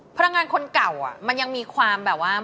พลังงานคนเก่ามันยังมีความแบบว่า